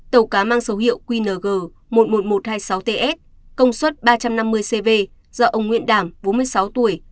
tàu cá mang số hiệu qng một mươi một nghìn một trăm hai mươi sáu ts công suất ba trăm năm mươi cv do ông nguyễn đảm bốn mươi sáu tuổi